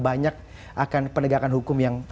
banyak akan penegakan hukum yang